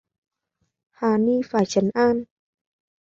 Hà ni phải trấn An